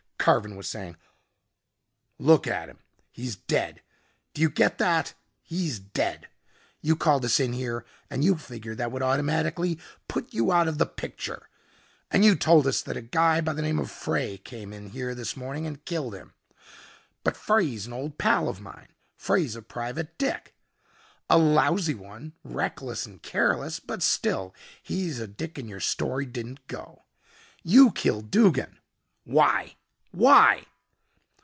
Carven was saying, "Look at him. He's dead. Do you get that? He's dead. You called us in here and you figured that would automatically put you out of the picture. And you told us that a guy by the name of Frey came in here this morning and killed him. But Frey's an old pal of mine. Frey's a private dick a lousy one, reckless and careless, but still he's a dick and your story didn't go. You killed Duggin why why